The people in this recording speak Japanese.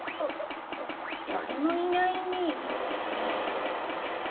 だれもいないね。